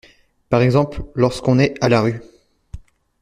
Par exemple lorsqu’on est “à la rue”.